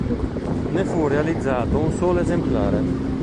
Ne fu realizzato un solo esemplare.